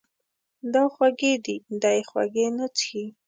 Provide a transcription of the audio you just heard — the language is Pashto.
دا خوږې دي، دی خوږې نه څښي.